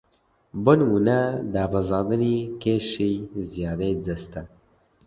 بۆ نموونە دابەزاندنی کێشی زیادەی جەستە